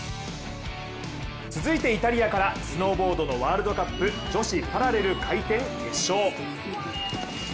続いてイタリアから、スノーボードのワールドカップ女子パラレル回転決勝。